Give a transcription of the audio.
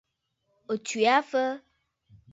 O tswe aa fa?